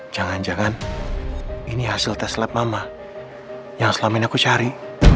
jangan jangan ini hasil tes lab mama yang selama ini aku cari